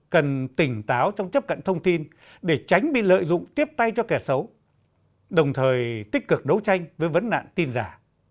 cần tỉnh táo trong tiếp cận thông tin để tránh bị lợi dụng tiếp tay cho kẻ xấu đồng thời tích cực đấu tranh với vấn nạn tin giả